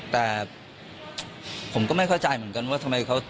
แต่ผมก็ไม่เข้าใจเหมือนกันว่าทำไมเขา